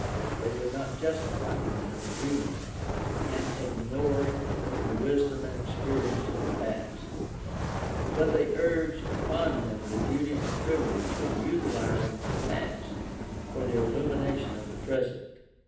They would not justify him, indeed, in ignoring the wisdom and experience of the past; but they urge upon him the duty and privilege of utilizing the past for the illumination of the present.